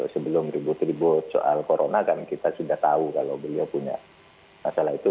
sebelum ribut ribut soal corona kan kita sudah tahu kalau beliau punya masalah itu